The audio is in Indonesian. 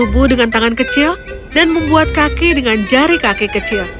tubuh dengan tangan kecil dan membuat kaki dengan jari kaki kecil